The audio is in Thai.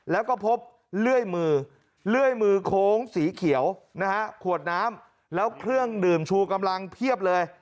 แล้วก็พบเลื่อยมือเลื่อยมือโค้งสีเขียวนะฮะขวดน้ำแล้วเครื่องดื่มชูกำลังเพียบเลย